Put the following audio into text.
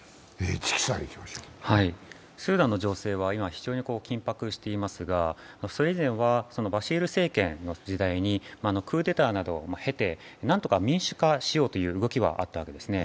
スーダンの情勢は今、非常に緊迫していますがそれ以前はバシール政権の時代にクーデターなどを経て民主化しようという動きがあったわけですね。